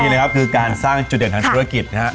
นี่นะครับคือการสร้างจุดเด่นทางธุรกิจนะครับ